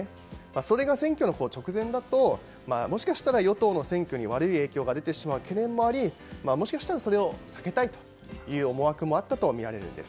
それが選挙の直前だともしかしたら与党の選挙に悪い影響が出てしまう懸念もありそれを避けたいという思惑もあったとみられるんです。